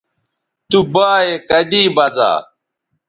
تو بایئے کدی بزا